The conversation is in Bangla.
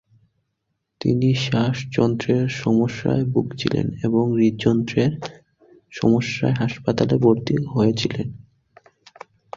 তিনি শ্বাসযন্ত্রের সমস্যায় ভুগছিলেন এবং হৃদযন্ত্রের সমস্যায় হাসপাতালে ভর্তি হয়েছিলেন।